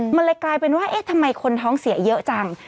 มันเลยกลายเป็นว่าเอ๊ะทำไมคนท้องเสียเยอะจัง